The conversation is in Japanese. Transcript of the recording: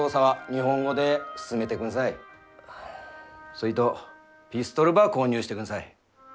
そいとピストルば購入してくんさい。